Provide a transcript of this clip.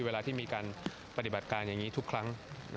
เวลาที่มีการปฏิบัติการอย่างนี้ทุกครั้ง